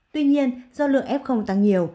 tuy nhiên do lượng f tăng nhiều